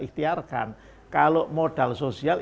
ikhtiarkan kalau modal sosial